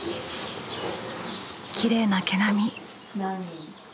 きれいな毛並み。